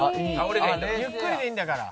ゆっくりでいいんだから。